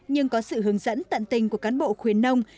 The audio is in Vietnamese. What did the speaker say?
nhưng có sự hướng dẫn tận tình của cán bộ khuyến nông